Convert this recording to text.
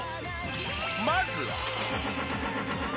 ［まずは］